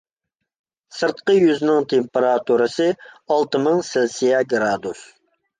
سىرتقى يۈزنىڭ تېمپېراتۇرىسى ئالتە مىڭ سېلسىيە گرادۇس.